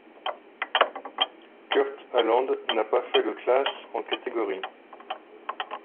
Kurt Aland n'a pas fait le classe en Catégories.